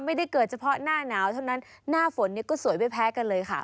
ไม่ได้เกิดเฉพาะหน้าหนาวเท่านั้นหน้าฝนเนี่ยก็สวยไม่แพ้กันเลยค่ะ